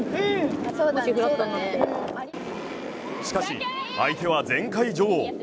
しかし、相手は前回女王。